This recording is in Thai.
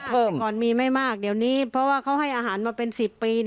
ก่อนมีไม่มากเดี๋ยวนี้เพราะว่าเขาให้อาหารมาเป็น๑๐ปี